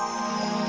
aku akan nampak